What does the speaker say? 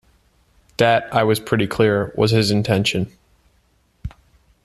That, I was pretty clear, was his intention.